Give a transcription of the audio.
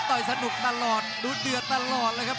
โอ้โหโอ้โห